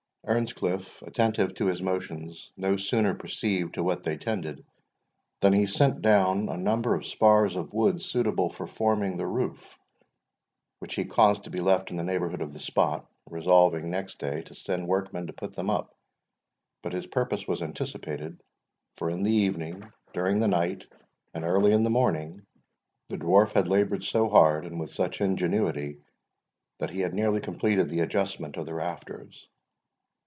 Earnscliff; attentive to his motions, no sooner perceived to what they tended, than he sent down a number of spars of wood suitable for forming the roof, which he caused to be left in the neighbourhood of the spot, resolving next day to send workmen to put them up. But his purpose was anticipated, for in the evening, during the night, and early in the morning, the Dwarf had laboured so hard, and with such ingenuity, that he had nearly completed the adjustment of the rafters.